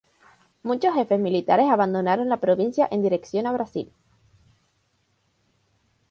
Muchos jefes militares abandonaron la provincia en dirección a Brasil.